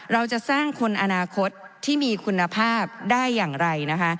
เราจะสร้างคนอนาคตที่มีคุณภาพได้อย่างไรนะคะ